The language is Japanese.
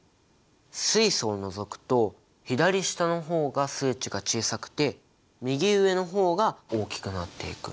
水素を除くと左下の方が数値が小さくて右上の方が大きくなっていく。